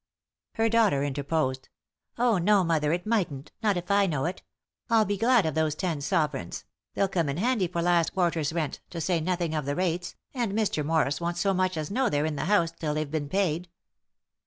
Her daughter interposed. " Oh, no, mother, it mightn't ; not if I know it. I'll be glad of those ten sovereigns ; they'll come in handy for last quarter's rent, to say nothing of the rates, and Mr. Morris won't so much as know they're in the house till they've been paid."